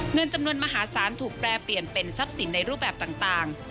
เงินจำนวนมหาศาลถูกแปรเปลี่ยนเป็นทรัพย์สินในรูปแบบต่าง